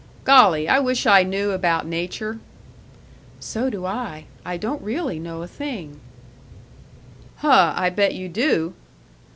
"Golly! I wish I knew about nature." "So do I! I don't really know a thing " "Huh! I bet you do!"